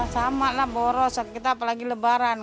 sama lah boro saat kita apalagi lebaran